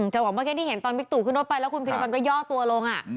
จะบอกว่าแค่นี้เห็นตอนบิกตู่ขึ้นรถไปแล้วคุณพิรพันธ์ก็ย่อตัวลงอ่ะ